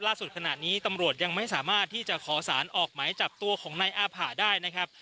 ขณะนี้ตำรวจยังไม่สามารถที่จะขอสารออกหมายจับตัวของนายอาผ่าได้นะครับ